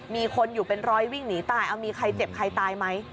มีคนอยู่เป็นร้อยวิ่งหนีตายเอามีใครเจ็บใครตายไหม